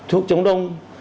thuốc chống đông